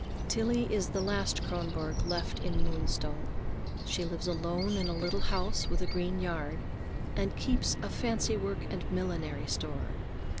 Tillie is the last Kronborg left in Moonstone. She lives alone in a little house with a green yard, and keeps a fancywork and millinery store.